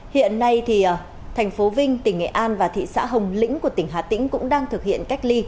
hiện nay thành phố vinh tỉnh nghệ an và thị xã hồng lĩnh của tỉnh hà tĩnh cũng đang thực hiện cách ly